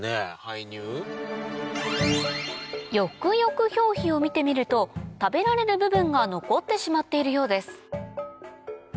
よくよく表皮を見てみると食べられる部分が残ってしまっているようです